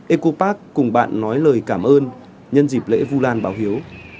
ecopark cùng bạn nói lời cảm ơn nhân dịp lễ vu lan báo hiếu